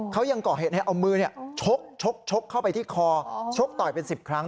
เขายังก่อเหตุเอามือชกเข้าไปที่คอชกต่อยเป็น๑๐ครั้ง